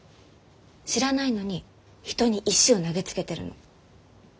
知らないのに人に石を投げつけてるの。